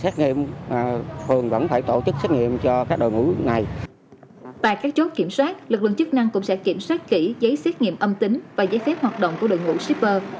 tại các chốt kiểm soát lực lượng chức năng cũng sẽ kiểm soát kỹ giấy xét nghiệm âm tính và giấy phép hoạt động của đội ngũ shipper